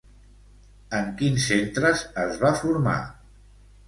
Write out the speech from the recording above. En quins centres es va formar?